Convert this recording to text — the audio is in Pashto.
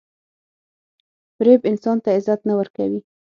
• فریب انسان ته عزت نه ورکوي.